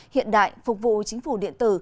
hiện đại phục vụ chính phủ điện tử